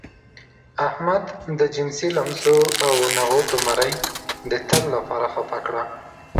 احمد د جنسي لمسو او نغوتو مرۍ د تل لپاره خپه کړه.